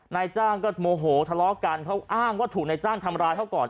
นายจ้างก็โมโหทะเลาะกันเขาอ้างว่าถูกนายจ้างทำร้ายเขาก่อน